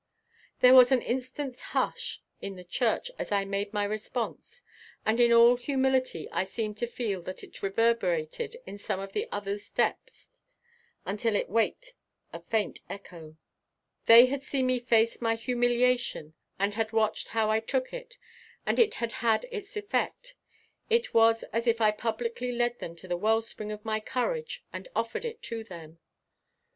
There was an instant's hush in the church as I made my response and in all humility I seemed to feel that it reverberated in some of the others' depths until it waked a faint echo. They had seen me face my humiliation and had watched how I took it and it had had its effect. It was as if I publicly led them to the well spring of my courage and offered it to them.